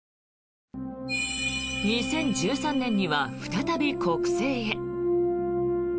２０１３年には再び国政へ。